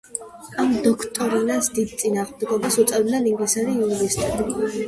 ამ დოქტრინას დიდ წინააღმდეგობას უწევდნენ ინგლისელი იურისტები.